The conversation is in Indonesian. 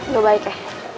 gue baik ya